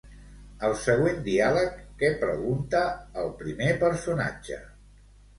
Al següent diàleg, què pregunta el primer personatge?